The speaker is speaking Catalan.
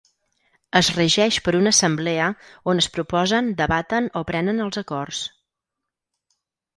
Es regeix per una assemblea on es proposen, debaten o prenen els acords.